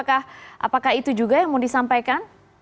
apakah itu juga yang mau disampaikan